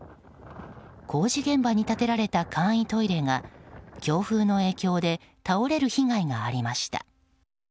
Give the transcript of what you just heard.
工事現場に建てられた簡易トイレが強風の影響で倒れる被害がありました。